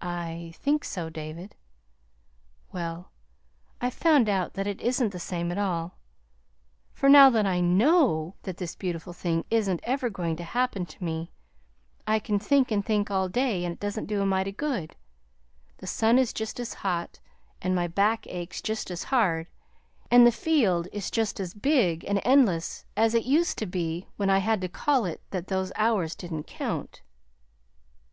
"I think so, David." "Well, I've found out that it isn't the same at all; for now that I KNOW that this beautiful thing isn't ever going to happen to me, I can think and think all day, and it doesn't do a mite of good. The sun is just as hot, and my back aches just as hard, and the field is just as big and endless as it used to be when I had to call it that those hours didn't count.